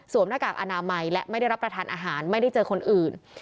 หน้ากากอนามัยและไม่ได้รับประทานอาหารไม่ได้เจอคนอื่น